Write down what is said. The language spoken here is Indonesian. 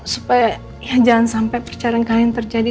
supaya ya jangan sampai percerain kalian terjadi